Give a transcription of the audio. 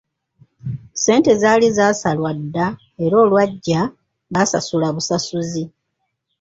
Ssente zaali zasalwa dda era olwajja baasasula busasuzi.